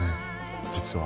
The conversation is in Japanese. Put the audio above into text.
実は。